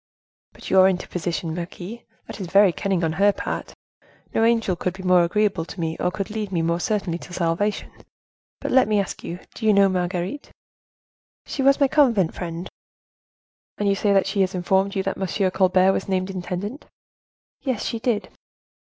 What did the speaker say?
"But your interposition, marquise; that is very cunning on her part. No angel could be more agreeable to me, or could lead me more certainly to salvation. But, let me ask you, do you know Marguerite?" "She was my convent friend." "And you say that she has informed you that Monsieur Colbert was named intendant?" "Yes, she did."